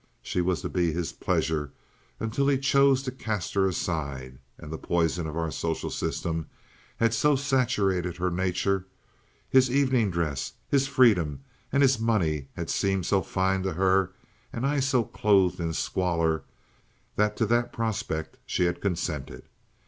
She was to be his pleasure until he chose to cast her aside, and the poison of our social system had so saturated her nature—his evening dress, his freedom and his money had seemed so fine to her and I so clothed in squalor—that to that prospect she had consented.